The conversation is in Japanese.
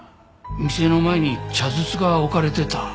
店の前に茶筒が置かれてた。